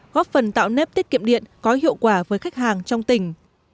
góp phần tạo nếp tiết kiệm điện có hiệu quả với khách hàng trong tỉnh